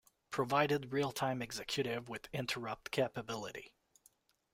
Provided "Real Time Executive" with interrupt capability.